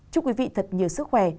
chúc quý vị thật nhiều sức khỏe